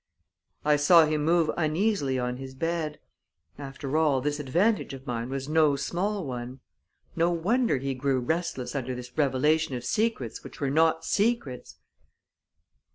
I saw him move uneasily on his bed; after all, this advantage of mine was no small one. No wonder he grew restless under this revelation of secrets which were not secrets!